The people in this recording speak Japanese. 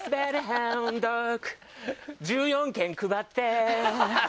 １４件配って。